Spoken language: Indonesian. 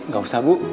gak usah bu